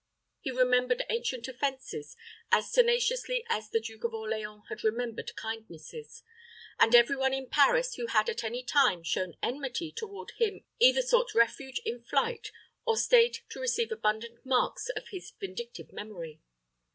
He remembered ancient offenses as tenaciously as the Duke of Orleans had remembered kindnesses, and every one in Paris who had at any time shown enmity toward him either sought refuge in flight or stayed to receive abundant marks of his vindictive memory.